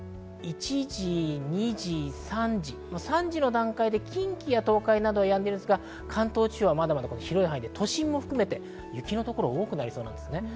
１時、２時、３時、３時の段階で近畿や東海などではやんでいますが、関東地方はまだ広い範囲で都心を含めて雪のところ、多くなりそうです。